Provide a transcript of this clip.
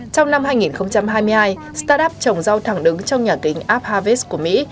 trong năm hai nghìn hai mươi hai startup trồng rau thẳng đứng trong nhà kênh app harvest của mỹ